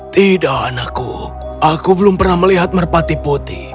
tidak anakku aku belum pernah melihat merpati putih